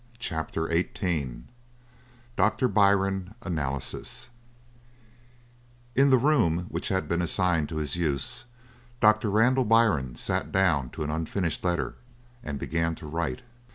CHAPTER XVIII DOCTOR BYRNE ANALYSES In the room which had been assigned to his use Doctor Randall Byrne sat down to an unfinished letter and began to write.